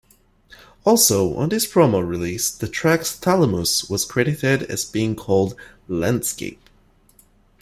Also, on this promo release the track "Thalamus" was credited as being called "Landscape".